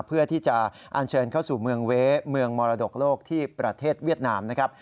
เพื่อที่จะอันเชิญเข้าสู่เมืองเว้เมืองมรดกโลกที่ประเทศเวียดนามนะครับ